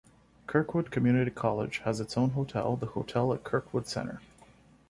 Kirkwood Community College has its own hotel, "The Hotel at Kirkwood Center".